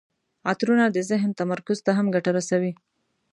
عطرونه د ذهن تمرکز ته هم ګټه رسوي.